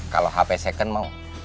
kalau hp second mau